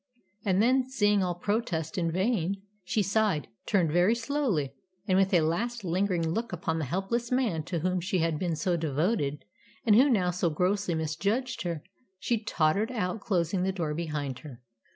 And then, seeing all protest in vain, she sighed, turned very slowly, and with a last, lingering look upon the helpless man to whom she had been so devoted, and who now so grossly misjudged her, she tottered out, closing the door behind her.